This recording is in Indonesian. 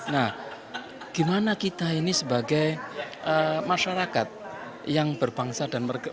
nah gimana kita ini sebagai masyarakat yang berbangsa dan mereka